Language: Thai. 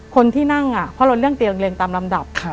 คนที่นั่งเพราะเราเลือกเตียงเรียงตามลำดับ